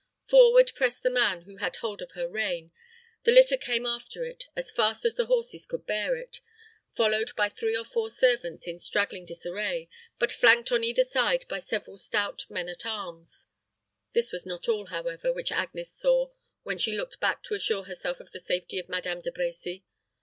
Forward pressed the man who had hold of her rein; the litter came after it, as fast as the horses could bear it, followed by three or four servants in straggling disarray, but flanked on either side by several stout men at arms. This was not all, however, which Agnes saw when she looked back to assure herself of the safety of Madame De Brecy.